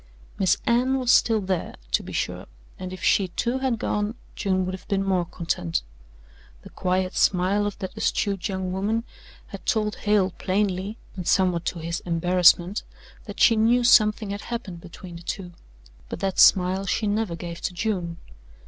Miss Anne was still there, to be sure, and if she, too, had gone, June would have been more content. The quiet smile of that astute young woman had told Hale plainly, and somewhat to his embarrassment, that she knew something had happened between the two, but that smile she never gave to June.